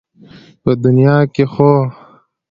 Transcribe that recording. په دنيا کې خو